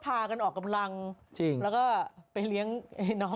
พากันออกกำลังแล้วก็ไปเลี้ยงไอ้น้อง